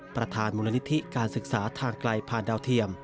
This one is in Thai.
ประธานมูลนิธิการศึกษาทางไกลผ่านดาวเทียม